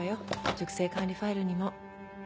塾生管理ファイルにも。